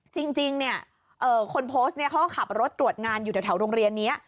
จริงคนโพสต์เขาก็ขับรถตรวจงานอยู่แถวโรงเรียนนี้